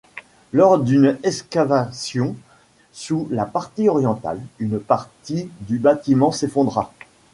Lors d'une excavation sous la partie orientale, une partie du bâtiment s'effondra.